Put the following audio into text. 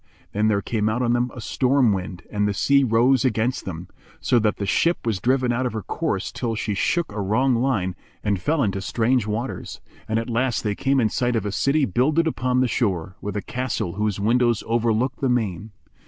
Then there came out on them a storm wind and the sea rose against them, so that the ship was driven out of her course till she took a wrong line and fell into strange waters; and, at last they came in sight of a city builded upon the shore, with a castle whose windows overlooked the main.